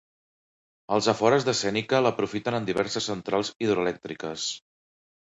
Als afores de Zenica l'aprofiten en diverses centrals hidroelèctriques.